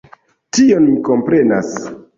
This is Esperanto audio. Tion mi komprenas.